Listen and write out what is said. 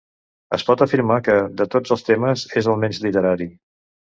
Es pot afirmar que, de tots els temes, és el menys literari.